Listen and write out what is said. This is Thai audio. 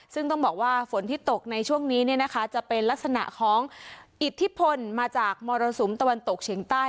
ซึ่งต้องบอกว่าฝนที่ตกในช่วงนี้เนี่ยนะคะจะเป็นลักษณะของอิทธิพลมาจากมรสุมตะวันตกเฉียงใต้